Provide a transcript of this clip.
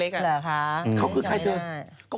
เค้าคือใครเธอ